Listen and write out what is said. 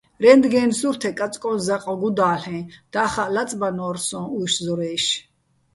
რენდგენ სურთე კაწკო́ჼ ზაყ გუდა́ლ'ეჼ, და́ხაჸ ლაწბანო́რ სოჼ უჲში̆ ზორა́ჲში̆.